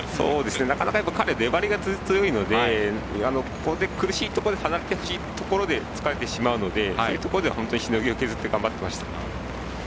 なかなか、彼粘りが強いのでここで苦しいところで下がってほしいところでつかれてしまうのでしのぎを削って頑張っていました。